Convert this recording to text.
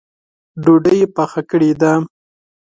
ډوډۍ یې پخه کړې ده؟